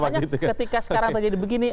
makanya ketika sekarang tadi jadi begini